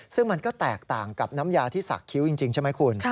ซึ่งมันก็แตกต่างกับน้ำยาที่สักคิ้วจริงใช่ไหมคุณ